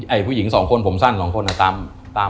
ไอ้ผู้หญิงสองคนผมสั้นสามคนอะตามมา